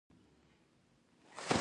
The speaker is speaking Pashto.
پانګونه باید څنګه جذب شي؟